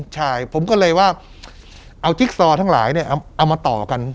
ใช่ผมก็เลยว่าเอาจิ๊กซอทั้งหลายเอามาต่อกัน